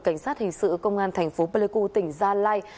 cảnh sát hình sự công an thành phố pleiku tỉnh gia lai